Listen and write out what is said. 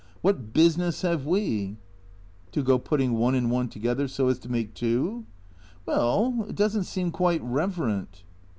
" What business have we "" To go putting one and one together so as to make two ?"" Well — it does n't seem quite reverent."